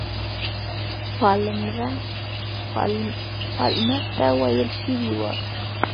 پالمر ته ویل شوي وه.